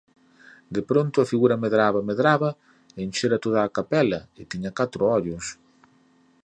De pronto a figura medraba, medraba, enchera toda a capela e tiña catro ollos